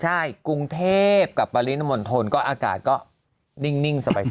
ใช่กรุงเทพกับปริมณฑลก็อากาศก็นิ่งสบาย